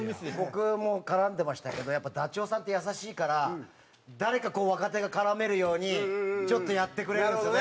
僕も絡んでましたけどやっぱダチョウさんって優しいから誰か若手が絡めるようにちょっとやってくれるんですよね。